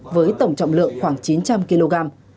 với tổng trọng lượng khoảng chín trăm linh kg